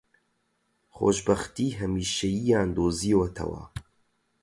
خۆشبەختیی هەمیشەییان دۆزیوەتەوە